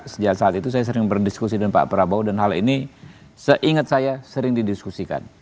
sejak saat itu saya sering berdiskusi dengan pak prabowo dan hal ini seingat saya sering didiskusikan